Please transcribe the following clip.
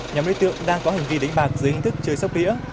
nhóm đối tượng đang có hành vi đánh bạc dưới hình thức chơi sóc đĩa